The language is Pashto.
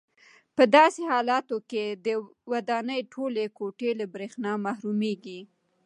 په داسې حالاتو کې د ودانۍ ټولې کوټې له برېښنا محرومېږي.